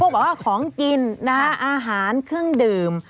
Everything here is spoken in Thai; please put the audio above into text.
บอกว่าของกินอาหารเครื่องดื่ม